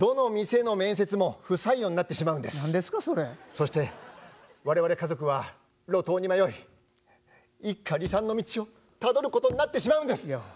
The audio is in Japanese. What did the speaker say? そして我々家族は路頭に迷い一家離散の道をたどることになってしまうんですよ。